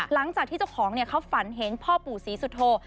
หลังจากที่เจ้าของเนี่ยเขาฝันเห็นพ่อปู่ศรีสุโธ